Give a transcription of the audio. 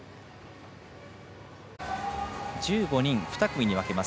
１５人、２組に分けます。